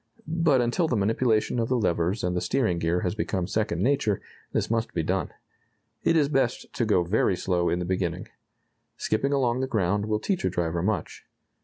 But until the manipulation of the levers and the steering gear has become second nature, this must be done. It is best to go very slow in the beginning. Skipping along the ground will teach a driver much.